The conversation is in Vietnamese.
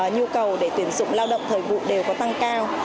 nhu cầu để tuyển dụng lao động thời vụ đều có tăng cao